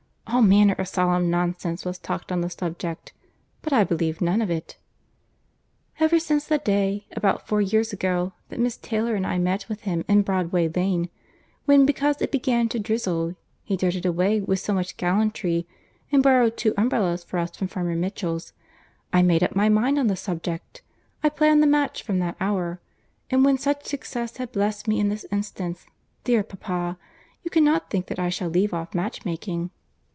All manner of solemn nonsense was talked on the subject, but I believed none of it. "Ever since the day—about four years ago—that Miss Taylor and I met with him in Broadway Lane, when, because it began to drizzle, he darted away with so much gallantry, and borrowed two umbrellas for us from Farmer Mitchell's, I made up my mind on the subject. I planned the match from that hour; and when such success has blessed me in this instance, dear papa, you cannot think that I shall leave off match making."